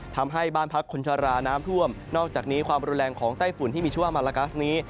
ทำให้บ้านพักคนชะลาน้ำท่วมนอกจากนี้ความรุนแรงของไต้ฝุ่นที่มีชื่อว่ามาลากัสนี้